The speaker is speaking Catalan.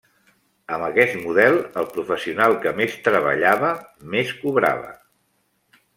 Amb aquest model el professional que més treballava, més cobrava.